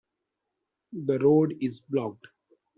The road is blocked.